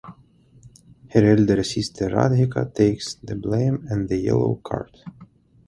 Her elder sister Radhika takes the blame and the yellow card.